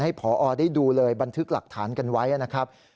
ผอได้ดูเลยบันทึกหลักฐานกันไว้นะครับ